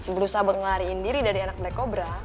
belus abang lariin diri dari anak black cobra